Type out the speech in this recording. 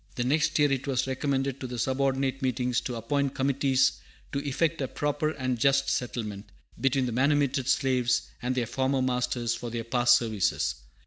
The next year it was recommended to the subordinate meetings to appoint committees to effect a proper and just settlement between the manumitted slaves and their former masters, for their past services.